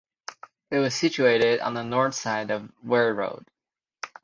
It was situated on the north side of Ware Road.